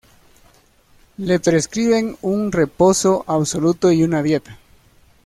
Le prescriben un reposo absoluto y una dieta.